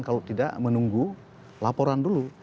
kalau tidak menunggu laporan dulu